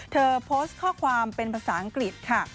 โพสต์ข้อความเป็นภาษาอังกฤษค่ะ